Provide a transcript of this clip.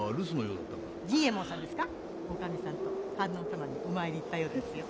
お内儀さんと観音様にお参り行ったようですよ。